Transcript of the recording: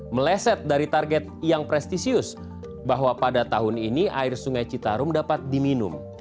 meleset dari target yang prestisius bahwa pada tahun ini air sungai citarum dapat diminum